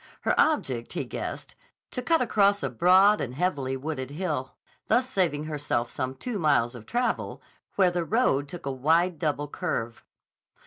Her object he guessed; to cut across a broad and heavily wooded hill, thus saving herself some two miles of travel where the road took a wide double curve.